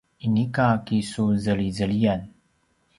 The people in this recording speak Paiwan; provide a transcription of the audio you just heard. inika kisuzelizeliyan